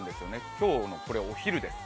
今日のこれがお昼です。